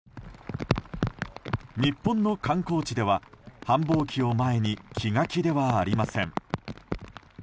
日本の観光地では繁忙期を前に気が気ではありません。